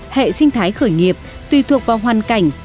hệ sinh thái khởi nghiệp tùy thuộc vào hoàn cảnh